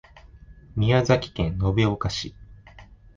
宮崎県延岡市